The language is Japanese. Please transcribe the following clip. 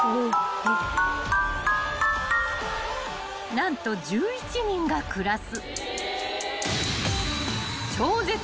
［何と１１人が暮らす］